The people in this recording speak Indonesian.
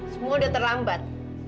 semua udah terlambat